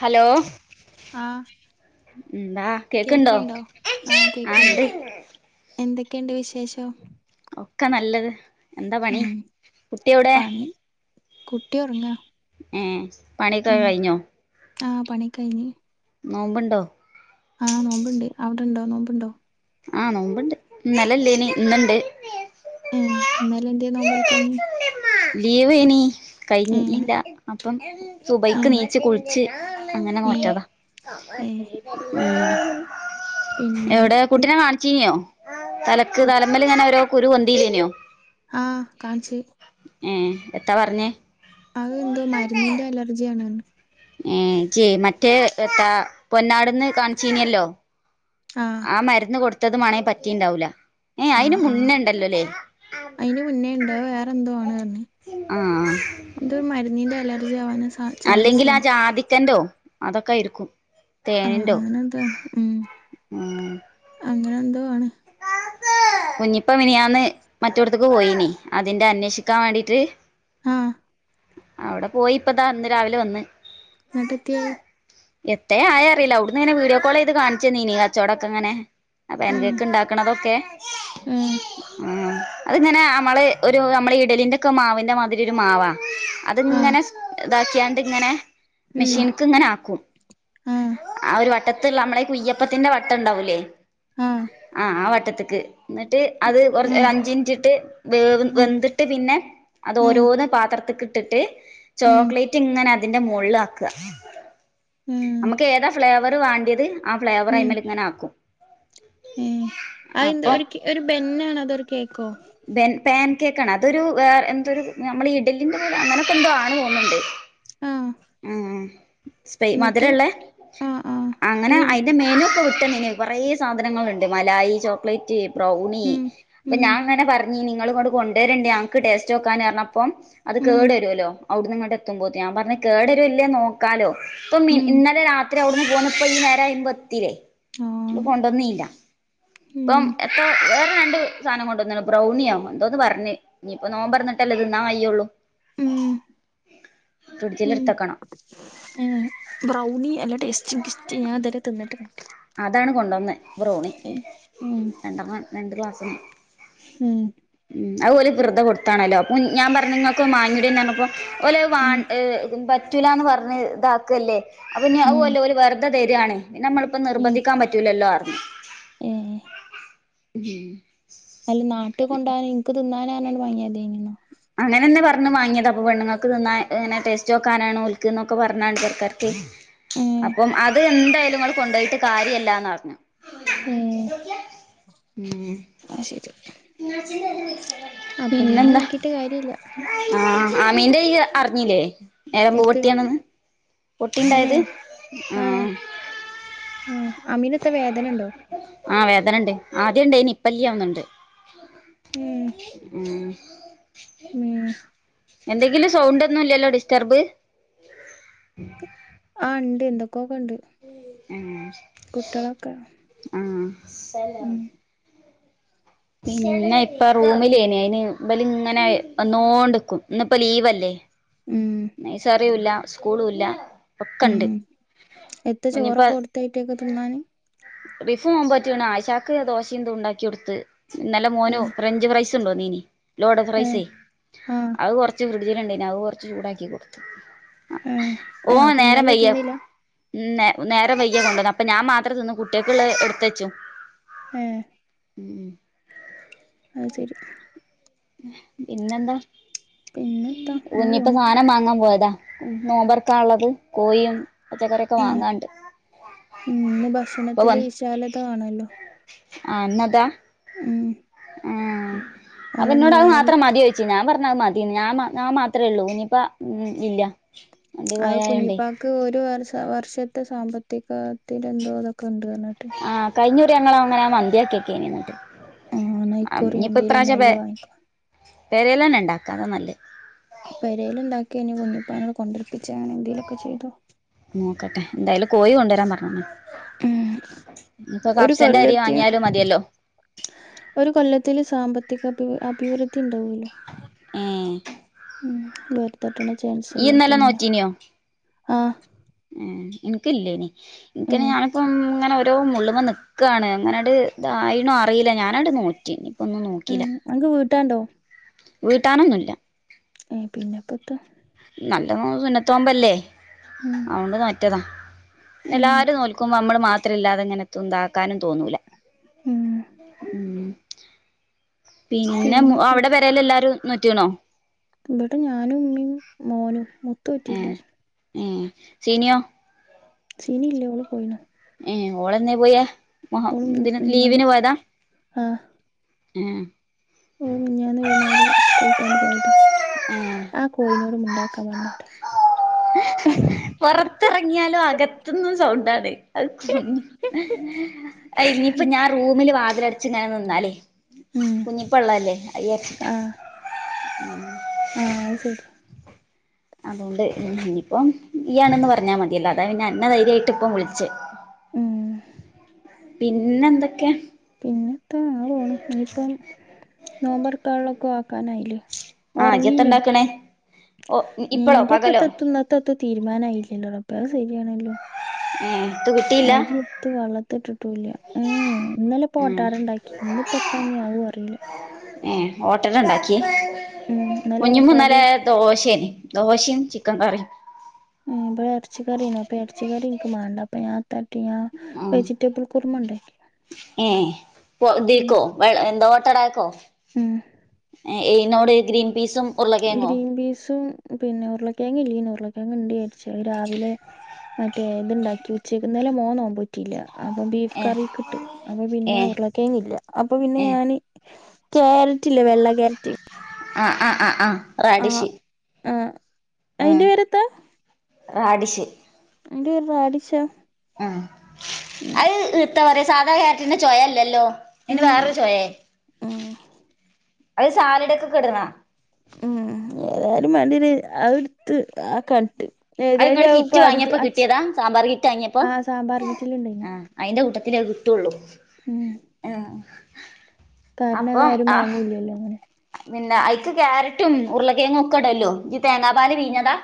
Hello ആഹ് എന്താ കേൾക്ണ്ടോ കേക്ക്ണ്ടോ ആഹ് ണ്ട് എന്തകേണ്ട് വിശേഷം ഒക്കെ നല്ലത് എന്താ പണി ഉം കുട്ടി എവിടെ പണി കുട്ടി ഒറങ്ങാ ഏഹ് പണിയൊക്കെ ഉം കഴിഞ്ഞൊ ആഹ് പണിക്കഴിഞ് നോമ്പുണ്ടോ? ആഹ് നോമ്പ്ണ്ട്. അവിടെ ഇണ്ടോ നോമ്പ്? ആഹ് നോമ്പുണ്ട് ഇന്നലെലേനി ഇന്നുണ്ട്. ഏഹ്‌ ഇന്നലെ എന്ന്തേ നോമ്പൽക്കാഞ്ഞു ലീവ് എനി ഏഹ് കഴിഞ്ഞില്ല അപ്പം ഏഹ് സുബയ്ക്ക്നീച്ച് കുളിച്ച് അങ്ങനെ ഏഹ് നോറ്റാതാ ഏഹ് [inaudible] പിന്നെ എവിടെ ഉം കുട്ടിനെ കാണിച്ചിനിയോ തലക്ക് കു തലമ്മൽ ങ്ങനെ ഓരോ കുരു പൊന്തിലേനെയോ ആഹ്‌ കാൺച്ചി ഏഹ്‌ എത്ത പറഞ്ഞേ അത് എന്തോ മരുന്നിന്റെ അലർജിയാണ് ഉം ചേ മറ്റേ എത്താ പൊന്നാട്ന്ന് കാണിച്ചിനല്ലോ ആഹ് ആ മരുന്ന് കൊടുത്തത് മാണേങ്ക പറ്റിണ്ടാവൂല ഏഹ് അയിന് മുന്നേ ഉണ്ടല്ലോലെ അയിന് മുന്നേണ്ട് അത് വേറെ എന്തോ ആണ്പറഞ്ഞ് ആഹ്‌ അലർജി ആവാനാ സാ ചാൻസ് അല്ലെങ്കിൽ ആ പർഞ്ഞ്. ജാതിക്കന്റോ അതൊക്കെയിരിക്കും തേൻ എന്താണ് ഉം ഉം അങ്ങനെ എന്തോ ആണ് കുഞ്ഞിപ്പം മിനിയാന്ന് മറ്റുടത്തേക്ക് പോയിന് അതിന്റെ അന്വേഷിക്കാൻ വേണ്ടീട്ട് ആഹ് അവിടെ പോയി ഇപ്പതാ ഇന്ന് രാവിലെ വന്ന്. [unintelligible] എത്ത ആയ അറിയില്ല അവിടുന്ന് ഇങ്ങനെ വീഡിയോ കോള്ചെയ്ത് കാണിച്ചന്നിനീ കച്ചോടൊക്കെ അങ്ങനെ അപ്പൊ ഉം എന്തക്ക്ണ്ടാക്കണതൊക്കെ ഉം ഉം അതിങ്ങനെ നമ്മള് ഒരു നമ്മള ഇഡലിൻ്റെക്കെ മാവിൻ്റെ മാതിരി ഒരു മാവാണ് ആഹ് അതിങ്ങനെ ഇതാക്കിയാണ്ട്ഇങ്ങനെ ഉം മെഷീൻക്ക് ഇങ്ങനെ ആക്കും. ആഹ് ഒരു വട്ടത്ള്ള നമ്മളേ കുയ്യപ്പത്തിന്റെ വട്ടം ഉണ്ടാവൂലേ? ആഹ്‌ ആഹ്‌ ആ വട്ടത്തേക്ക് എന്നിട്ട് അത് കൊറച്ച് ആഹ് ഒരഞ്ച് മിനിട്ട്. വേവും ആഹ് വെന്തിട്ട് പിന്നെ ആഹ് അതരോന്ന് പാത്രത്തിക്ക്ട്ടിട്ട് ഉം ചോക്ലേറ്റ് റ്റിങ്ങനെ അതിന്റെ മോളില് ആക്കുക ഉം നമുക്ക് ഏതാ ഫ്ലേവർ വാണ്ടിയത്. ആ ഫ്ലേവർ അയ്മേൽ ഇങ്ങനെ ആക്കും ഉം അയിന്ത്‌ അപ്പം ഒരു ബെന്നാണോ അതൊരു കേക്കോ? പൻ പാൻ കേക്കാണ് അതൊരു വേറെ എന്തൊരു നമ്മള് ഇഡലിന്റെ പോലെ അങ്ങനെയൊക്കെ എന്തോ ആണ് തോന്നുന്നുണ്ട്. ആഹ് ആഹ്‌ ആഹ്‌ സ്പേ എന്നിട്ട് മധുരള്ളേ ആഹ് ആഹ് അങ്ങനെ ഈ അയിന്റെ മേനു ഒക്കെ വിട്ടന്നിന് കുറേ സാധനങ്ങളുണ്ട് മലായി ചോക്ലേറ്റ് ബ്രൗണി ഉം അപ്പൊ ഉം ഞാൻ അങ്ങനെ പറഞ്ഞിനി നിങ്ങളിങ്ങോട്ട് കൊണ്ട് കൊണ്ടുവരേണ്ടേ ഞങ്ങക്ക് ടേസ്റ്റ് നോക്കാന്ന് പറഞ്ഞപ്പം അത് ഉം കേടു വരുല്ലോ അവിടു നിന്ന് ഇങ്ങട്ട് എത്തുമ്പോ ഞാൻ പറഞ്ഞു കേടരു ഇല്ലേ നോക്കാലോ ഇപ്പ ഉം ഇന്നലെ രാത്രി ജ്ജ് അവിടുന്ന് പോണപ്പോ ഈ നേരാമ്പോത്തിേലെ? ആന്ന് കൊണ്ടന്നില്ല ഉം ഇപ്പം എത്ര വേറെ രണ്ട് സാനം കൊണ്ട്ന്നു ബ്രൗണിയാ എന്തോന്ന് പറഞ്ഞ് ഇനിയിപ്പ നോമ്പ്ർന്നിട്ടല്ലേ ത്ത്ന്നാം കയ്യുള്ളു ഉം ഫ്രിഡ്ജിൽ ഉം എടുത്തക്കണം ഉം ബ്രൗണി എല്ലാ ടേസ്റ്റ്നിക്ക് ഇഷ്ട്ടായ ഞാൻ ഇതൊരെ തിന്നിട്ടില്ല അതാണ് കൊണ്ടന്നെ ബ്രൗണി ഉം രണ്ടണ്ണം രണ്ട് ക്ലാസന്ന് ഉം അഹ്‌ ഓല് വെറുതെ കൊടുത്താണല്ലോ അപ്പൊ ഞാൻ പറഞ്ഞ നിങ്ങക്ക് മാങ്ങട [unintelligible] ഓലത് ഉം വാൻ പറ്റൂലന്ന് പറഞ്ഞ് ഇതാക്കല്ലേ അപ്പൊ ഉം [unintelligible] ദ തെരാണ് പിന്നമ്മളിപ്പേ ഉം നിർബന്ധിക്കാൻ പറ്റൂലല്ലോന്നർഞ്ഞ്. ഏഹ്. [inaudible] അൽ നാട്ട് കൊണ്ടോനും ഇൻക്ക് തിന്നാനാന്ന് പറഞ്ഞാണ്ട് വാങ്ങി യാദൃയ്ന്ന്. അങ്ങനെന്നാ പറഞ്മാങ്ങിയതാ അപ്പൊ പെണ്ണങ്ങക്ക് തിന്നാ ങ്ങനെ ടേസ്റ്റേക്കാനാണേൽക്ക് പറഞാണ്ട് പെരക്കാർക്ക്. [inaudible] അപ്പം അത് എന്തായാലും നിങ്ങൾ കൊണ്ടോയിട്ട് കാര്യല്ലാന്നറഞ്ഞു. ഉം ആഹ് ശെരി. പിന്നെന്താ. കാര്യല്ല്യ ആഹ് ആമീന്റെ യ്യ് അറിഞ്ഞില്ലേ ഞരമ്പ്‌ പൊട്ടിയാണെന്ന് തെന്നെ പൊട്ടിണ്ടായത് ആഹ് ഉം അമീനൊക്കെ വേദനണ്ട ആഹ് വേദനണ്ട് ആദ്യണ്ടായ്ന്ന് ഇപ്പല്യവന്നുണ്ട് ഉം [inaudible] ഉം എന്തെങ്കിലും സൗണ്ടെന്നുല്ല്യല്ലോ ഡിസ്റ്റ്ർബ് ആഹ് ണ്ട് ണ്ട് [unintelligible] ണ്ട് ആഹ് ഉം [unintelligible] ന്നാ ഇപ്പാ റൂമിലെയ്ന്നയിന് ബല് ങ്ങനെ വന്നോണ്ട്ക്കും ന്ന്പ്പ ലീവല്ലേ ഉം നൈസറിം ല്ല സ് സ്കൂളുല്ലാ ഉം ഇത്താ ചോറൊക്കെ കൊടുത്തയിറ്റെൾക്ക് തിന്നാന് റിഫോമ്പോറ്റ്ക്ക്ണ് ആയിശാക്ക് ദോശന്തോണ്ടാക്കിയൊടുത്ത് ഇന്നലെ ആ മോനു ഫ്രഞ്ച് ഫ്രൈസ് [unintelligible] ലോഡഡ് ഏ ഫ്രൈസെ ആ അഹ് കൊർച്ച് ഫ്രിഡ്ജീല്ണ്ടായീന്ന് അഹ് കൊർച്ച് ചൂടാക്കി കൊടുത്ത് ഏ ഏ ഓഹ് അപ്പൊ നേരം ഇന്നലെ വെയ്യ തിന്നില്ല നേ നേരം വയ്കിയാണ് കൊണ്ടന്ന അപ്പ ഞാ മാത്രം തിന്ന് കുട്ട്യൾക്ക്ള്ളത് എട്ത്തെച്ചു ഏഹ് ഉം അയ് ശെരി പിന്നെന്താ പിന്നെത്താ അങ്ങനെ കുഞിപ്പാ പോണ് സാനം വാങ്ങാൻ പോയതാ നോമ്പർക്കാള്ളതും കോയിം ഉം ഉം ഇന്ന് ഭക്ഷണത്തില് വിശാലതകാണുവല്ലോ ആഹ് ന്നതാ ഉം ഏഹ് അപ്പന്നോട് അത് അതുണ്ടായാല് മാത്രം മതിയോച്ച് ഞാ പറഞ്ഞ് അത് മതി [unintelligible] ഞാ മാ ഞാ മാത്രള്ളൂ ഞിപ്പ [unintelligible] അത് കുഞ്ഞിപ്പാക്ക് ഒരുവർഷ വർഷത്തെ സാമ്പത്തീകത്തീലെന്തോ തൊക്കെ ണ്ട് പറഞ്ഞെട്ട് ആ കഴിഞ്ഞുറി ഞങ്ങളങ്ങനെ മന്തിയെക്കെ ക്കെ [unintelligible] ആഹ് എന്നാ ഇക്കുറി ഞിപ്പൊ എന്തേലും ഇപ്രാശ്യം നല്ല പെ വാങ്ങിക്കോ പെരെലെന്നെ ണ്ടാക്ക അതാനല്ലെത് പെരേല്ണ്ടാക്കെയ്ന്ന് കുഞ്ഞിപ്പാനോട് കൊണ്ടരിപ്പിച്ചാണ് ന്തെങ്കിലൊക്കെ ചെയ്തോ നോക്കട്ടെ എന്തായാലും കോഴി കൊണ്ടെരാൻ പറഞ്ഞ്ന്ന് ഉം ഞിപ്പ ഒരു കപ്സന്റെ അരി കൊല്ലത്തി വാങ്ങിയാലും മതിയല്ലോ ഒരു കൊല്ലത്തില് സാമ്പത്തിക അഭി അഭിവൃദ്ധി ണ്ടാവുല്ലോ ഏഹ് ഉം വെർതെട്ടണ ഇയ്യ് ചാൻസല്ലെ ത് ഇന്നലെ പിന്നാ നോറ്റീനിയോ ആഹ് ഏഹ് എൻക്കില്ലേന്നി ഉം ഇൻക്ക്ങ്ങനെ ഞാനിപ്പം ങ്ങനെ ഒര് റ്റവും മുള്ളുമ്മ നിക്കാണ് അങ്ങനാണ്ട് തായീണു അറീല ഞാനാണ്ട് നോറ്റ് നിപ്പൊന്നും നോക്കീല അൻക്ക് വീട്ടാണ്ടോ വീട്ടാനൊന്നുല്ല എഹ് പിന്നേപ്പെന്താ നല്ലോ [unintelligible] ഉം അതൊണ്ട് നോറ്റതാ ഉം എല്ലാരും നോൽക്കുമ്പോ നമ്മള് മാത് ത്രില്ലാതെങ്ങനെ [unintelligible] ക്കാനും തോന്നൂല ഉം ഉം പിന്നെ പിന്നെത്ത അവിടെ പെരെലെല്ലാരും നോറ്റ്ക്കണോ ഇവടെ ഞാനും ഉമ്മയും മോനും [unintelligible] എഹ് സീനിയോ സിനി ഇല്ല ഓള് പോയിനു ഏഹ് ഓളെന്നെ പോയെ ആഹ് ഓള് മി ഇതിന് മിഞ്ഞാന്ന് ലീവിന് പോയതാ? ആഹ് എഹ് ഓള് മിഞ്ഞാന്ന് വൈന്നേരം സ്കൂൾ വിട്ട് ആണ്ട് പോയതാ ഏ ആഹ് കോഴിനോടും മിണ്ടാക്കാൻ പറഞ്ഞാവ്ടെ പുറത്തിറങ്ങിയാലും അകത്തുന്നു സൗണ്ടാണ് അത് ഇനിയിപ്പോ ഞാൻ റൂമില് വാതില് അടച്ച് ഇങ്ങനെ നിന്നാലേ ഉം കുഞ്ഞിപ്പ ഉള്ളല്ലേ അത് ചാരിച്ചിട്ട ആഹ് ആഹ് അത് ശരി അതുകൊണ്ട് ഇനിയിപ്പം ഈയാണെന്ന് പറഞ്ഞാൽ മതിയല്ലോ അതാണ്അന്നെ ധൈര്യയിട്ട് ഇപ്പം വിളിച്ച. ഉം പിന്നെ എന്തൊക്കെയാ പിന്നെത്താ അങ്ങനെ പോണു ഇനിയിപ്പം നോബോ ർക്കാനുള്ളതൊക്കെ ആക്കാനായില്ലേ ആ ഇജ്ജ് എത്താ ഒറങ്ങീനീ ഇണ്ടാക്കണേ ഓ ഇപ്പളോ നിന്റെ പകലോ [unintelligible] ഇത്തത്ത് തീരുമാനമായില്ലല്ലോ റബ്ബേ അതു ശരിയാണല്ലോ ഹ് അരി എടുത്ത് വെള്ളത്തിട്ടിട്ടൂല്ല ഏഹ് ഇന്നലെ ഉം ഓട്ടട ഉണ്ടാക്കി ഇന്ന്പ്പോ എത്താ അതുംഅറീല്ല. ഏഹ് ഓട്ടട ഉണ്ടാക്കിയ ഉം ഇന്നലെ കുഞ്ഞിമ്മു ഓട്ടാടി ഇന്നലെ ദോശേണ് ദോശയും ചിക്കൻ കറിയും മ് ഇപടെ എറച്ചിക്കറിനാ പ്പം എറച്ചി കറി ഇനക്ക് മാണ്ട പ്പ ഞാനത്തകാ ഞാൻ ഉം വെജിറ്റബിൾ കുറുമ ഇണ്ടാക്കി [unintelligible] എന്തോ ഓട്ടടക്കോ ഉം എയ്നോട് ഗ്രീൻ പീസും ഉരുളക്കിഴങ്ങോ ഗ്രീൻ പീസും പിന്നെ ഉരുളക്കേഴങ്ങ് ഇല്ലീനു ഉരുളക്കേഴങ്ങ് ഉണ്ട് വിചാരിച്ചു അഹ് രാവിലെ മറ്റേ ഇതുണ്ടാക്കി ഉച്ചയ്ക്ക് ഇന്നലെ മോന് നോമ്പ് നോറ്റില്ല അതും ബീഫ് ഏ കറിക്ക് ഇട്ട് അപ്പൊ ഏ പിന്നെ ഉരുളക്കിഴങ്ങ് ഇല്ല അപ്പൊ പിന്നെ ഏ ഞാന് ക്യാരറ്റ് ഇല്ലേ വെള്ള ക്യാരറ്റ് ആഹ് ആഹ് ആഹ് ആഹ് ആഹ് ആഹ് ഉം അയിന്റെ പേരെത്ത റാഡിഷ് അയിന്റെപേര് റാഡിഷാ ആഹ് ഉം അത് ഇന്ത പറയാ സാധാ കേരറ്റിന്റെ ചൊയയല്ലല്ലോ അയിന് ഉം വേറൊരു ചോയാ ഉം അത് സാലഡ്കൊക്കെ ഇട്ണാ ഉം ഏതായാലും വേണ്ടിന് അഹ്ടുത്ത് ആ ക്യാരറ്റ് അത് ഇങ്ങൾ കിറ്റ് വാങ്ങിയപ്പോ കിട്ടിയതാ സാമ്പാർ കിറ്റ് വാങ്ങിയപ്പോ ആഹ് സാമ്പാർ കിറ്റില്ണ്ടേനി ആഹ് അയിന്റെ കൂട്ടത്തിലേ അത് കിട്ടുള്ളൂ ഉം ഉം കാരണം അത് അപ്പം ആരും ആഹ് വാങ്ങൂല്ലല്ലോ അങ്ങനെ പിന്നെ അയ്ക്ക് ക്യാരറ്റും ഉരുളകിഴങ്ങും ഒക്കെ ഇടല്ലോ ഇജ് തേങ്ങാ പാൽ പീഞ്ഞതാ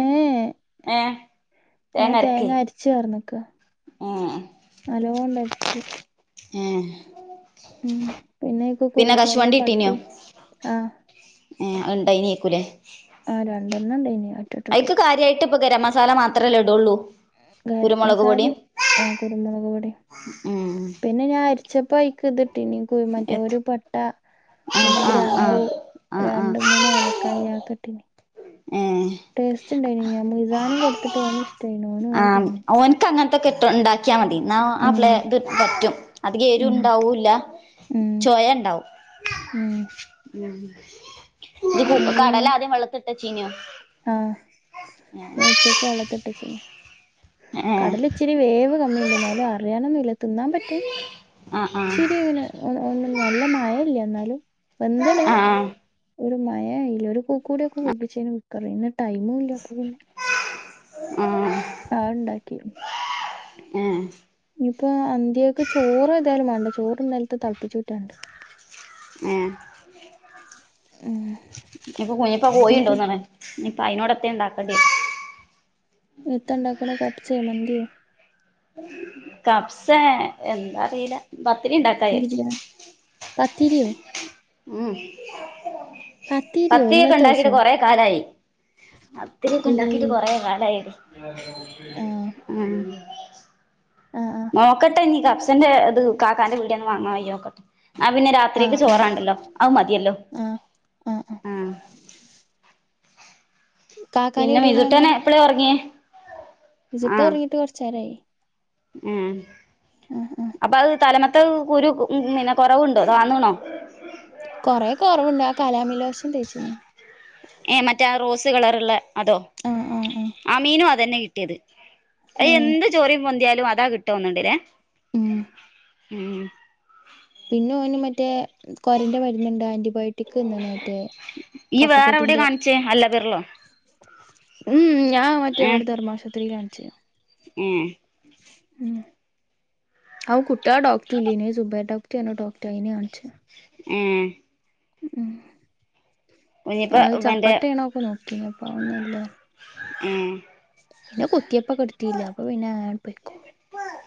ഏഹ് ഏഹ് ഞാൻ തേങ്ങ അരിച് പാർന്നക്കാ ഏഹ് നല്ലോണ്ടരച്ച് ഏഹ് ഉം പിന്നെ അയിക്ക് പിന്നെ കുരുമുളകും കശുവണ്ടി ഇട്ടീനോ പട്ടിം ആഹ് ഏഹ് അഹ് ഉണ്ടായ്നിക്കൂലേ. ആഹ് രണ്ടെണ്ണം ഉണ്ടെയ്നി. അയിക്ക് കാര്യമായിട്ട് ഇപ്പൊ ഗരം മസാല മാത്രല്ലെ ഇടുള്ളൂ. ഗരം കുരുമുളക് പൊടിയും മസാലേം ആഹ് കുരുമുളക് പൊടീം. ഉം പിന്നെ ഞാൻ അരിച്ചപ്പ അയിക്ക് ഇതിട്ടീനി. മറ്റേ എത്ത് ഒരു പട്ട ആഹ് പിന്നെ ആഹ് ഗ്രാമ്പു ആഹ് ആഹ് ആഹ് രണ്ട് മൂന്ന് ഏല കായ്യാ അഹക്കട്ടിനി ഏഹ് ടേസ്റ്റ് ഉണ്ടായിനി. ഞാൻ മിസാനും കൊടുത്തിട്ട് ഓന് ഇഷ്ടായിനു. ഓന് അത് തിന്നു. ഇപ്പ അങ്ങനത്തൊക്കെ ഇട്ട് ഉണ്ടാക്കിയാൽ മതി. എന്നാ അവളെ ഉം ഇത് പറ്റും. അധികം എരിവ് ഉം ഉണ്ടാവൂല്ല. ഉം ചൊയ ഉണ്ടാവും. ഉം ഉം ഇത് അത് കടല പിന്നെ ആദ്യം വെള്ളത്തിലിട്ട് വെച്ചീന്. ആഹ് ഞാൻ ഉച്ചക്ക് വെള്ളത്തിലിട്ട് വെച്ചീനി. കടല ഇച്ചിരി വേവ് കമ്മീണ്ട്. എന്നാലും അറിയാനൊന്നൂല്ല. തിന്നാൻ പറ്റും. ആഹ് ആഹ് ഇച്ചിരി ഇങ്ങനെ ഒന്ന് ഒന്നും നല്ലമയ ഇല്ല. എന്നാലും വെന്തണ്. ആഹ് ഒരു മയായില്ല ഒരു കൂക്കൂടി ഒക്കെ കൂകിച്ചേന് കുക്കറ്. ഇന്ന് ടൈമും ഇല്ല. അപ്പൊ പിന്നെ ആഹ് ആഹ് ഉണ്ടാക്കി. ഏഹ് ഇനിയിപ്പൊ അന്തികൾക്ക് ചോറ് ഏതായാലും വേണ്ട. ചോറ് ഇന്നലത്തെ തള പ്പിച്ചൂറ്റാന്ണ്ട്. ഏഹ് ഉം ഇപ്പൊ കുഞ്ഞിപ്പ ഇനിയിപ്പോ പോയിണ്ടോന്നാണ്. ഇനിയിപ്പ അതിനോടൊത്തെ ഉണ്ടാക്കണ്ടേ. ഇത്ത ഇണ്ടാക്കണ കപ്പ്സേ മന്തിയോ. കപ്സേ എന്താ അറിയില്ല. പത്തിരി ഉണ്ടാക്ക വിചാരിച്ചു ബിരിയാണി പത്തിരിയോ ഉം പത്തിരിയോ പത്തിരിയൊക്കെ ഇന്നത്തെ ഉണ്ടാക്കിയിട്ട് ദിവസോ കൊറേ കാലായി. പത്തിരിയൊക്കെ ഈ ഉണ്ടാക്കിയിട്ട് കൊറേ കാലായെടി. ആ ഉം ആഹ് ആഹ് നോക്കട്ടെ ഇനി കപ്സിൻ്റെ ഇത് കാക്കാന്റെ പീടികേന്ന് വാങ്ങാൻ കഴിയോ നോക്കട്ടെ. ആഹ് പിന്നെ ആ രാത്രികേക്ക് ആ ചോറുവേണ്ടല്ലോ. അത് മതിയല്ലോ. ആ ആ ആ ആഹ് കാക്കാന്റെ പിന്നെ എടീന്ന് മിതൂട്ടന് എപ്പളേ ഉറങ്ങിയേ? മിജൂട്ടൻ ഉറങ്ങിയിട്ട് കുറച്ചു നേരായി. ഉം ആ ആ അപ്പൊ അത് തലമത്തെ കുരു പിന്നെ കുറവുണ്ടോ? അതോ താന്നിക്കണോ? കൊറേ കുറവുണ്ട്. ആ കലാമിൻ ലോഷൻ തേച്ച്. ഏഹ് മറ്റേ റോസ് കളറുള്ള അതോ. ആ ആ ആ ആമീനും അതന്നെ കി ട്ടിയത്. അയ് ഏ എന്ത് ചൊറി പൊന്തിയാലും അതാ കിട്ടുവോന്നുണ്ട്ലേ. ഉം ഉം പിന്നെ ഓന് മറ്റേ കൊരന്റെ മരുന്നുണ്ട്. ആന്റിബയോട്ടിക് തന്നേണ് മറ്റേ കഫക്കെട്ടിന്റെ. അതരൊള്ളു. ഉം ഞാൻ മറ്റേ ഇവിടെ ധർമ്മാ ആശുപത്രിയിലാ കാണിച്ചേ. ഏഹ്. [inaudible] അവു കുട്ടികളുടെ ഡോക്ടറില്ലേനു ഈ സുബൈർ ഡോക്ടറു പറഞ്ഞു ഡോക്ടറിനേയാ കാണിച്ചേ. ഏഹ് ഉം കുഞ്ഞിപ്പ അത് മറ്റേ ചപ്പട്ടയാണൊക്കെ നോക്കിനി അപ്പൊ ഒന്നും ഇല്ല. ഏഹ്. പിന്നെ കുത്തിയപ്പൊക്കെ എടുത്തീല്ല. അപ്പൊ പിന്നെ അങ്ങനങ്ങട് പൊയ്ക്കോ.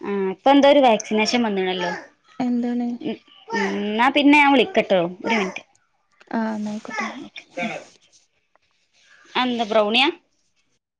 ആഹ് ഇപ്പൊ എന്തൊരു വാക്സിനേഷൻ വന്നേണല്ലോ. എന്താണ് ഉമ് ന്നാ പിന്നെ ഞൻ വിളിക്കട്ടോ ഒരു മിനിറ്റ് ആഹ ന്നയിക്കോട്ടാ ന്നാ അയ്ന്ത ബ്രൗണിയാ